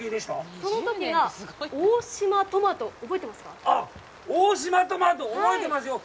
そのときは、大島トマト、覚えてますか？